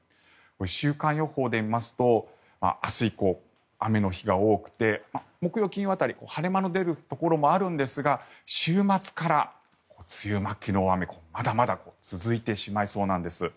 週間予報で見ますと、明日以降雨の日が多くて木曜、金曜辺り晴れ間の出るところもあるんですが週末から梅雨末期の大雨がまだまだ続いてしまいそうです。